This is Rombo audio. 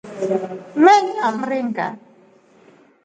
Mmenua mringa.